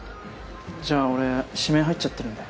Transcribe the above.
じゃあ俺指名入っちゃってるんで。